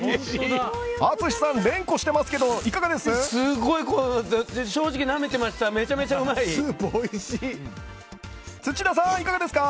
淳さん、連呼してますけどいかがですか。